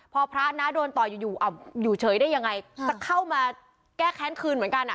พอพระน้าโดนต่อยอยู่อยู่เฉยได้ยังไงจะเข้ามาแก้แค้นคืนเหมือนกันอ่ะ